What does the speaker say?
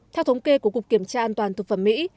theo thống kê của cục kiểm tra an toàn thực phẩm mỹ